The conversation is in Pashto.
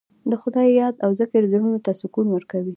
د خدای یاد او ذکر زړونو ته سکون ورکوي.